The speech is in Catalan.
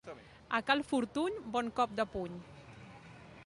A Cal Fortuny, bon cop de puny.